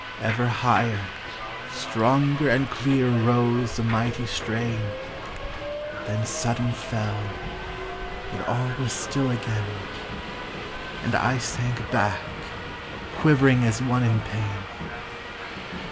Ever higher, Stronger and clearer rose the mighty strain; Then sudden fell; then all was still again, And I sank back, quivering as one in pain.